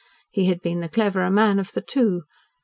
He had been the cleverer man of the two; G.